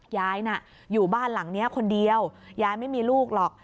ยายน่ะอยู่บ้านหลังนี้คนเดียวยายไม่มีลูกหรอก